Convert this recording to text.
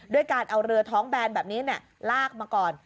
ด้วยการเอาเรือท้องแบนแบบนี้ลากมาก่อน